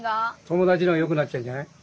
友達の方がよくなっちゃうんじゃない？